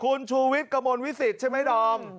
คุณชูวิชกระมวลวิสิทธิ์ใช่ไหมดอม